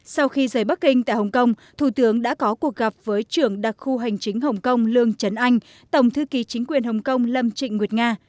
sau khi rời bắc kinh tại hồng kông thủ tướng đã có cuộc gặp với trưởng đặc khu hành chính hồng kông lương chấn anh tổng thư ký chính quyền hồng kông lâm trịnh nguyệt nga